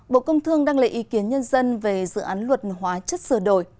bộ công thương đăng lệ ý kiến nhân dân về dự án luật hóa chất sửa đổi